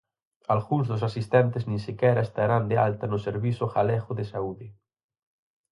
Algúns dos asistentes nin sequera estarán de alta no Servizo Galego de Saúde.